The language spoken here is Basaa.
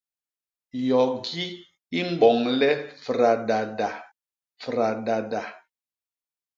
Yogi i mboñ le fradada-fradada.